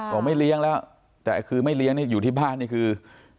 ไปไม่เลี้ยงแล้วแต่อีกคือไม่เลี้ยงอยู่ที่บ้านเนี่ย